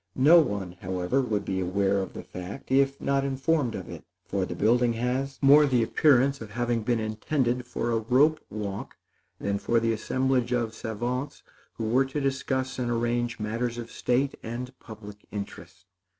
No one, however, would be aware of the fact if not informed of it; for the building has more the appearance of having been intended for a rope walk than for the assemblage of savants who were to discuss and arrange matters of state and public interest.